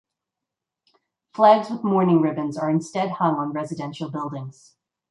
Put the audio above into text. Flags with mourning ribbons are instead hung on residential buildings.